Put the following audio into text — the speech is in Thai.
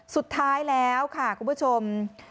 สุดท้ายแล้วค่ะคุณผู้ชม